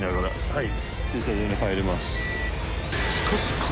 はい。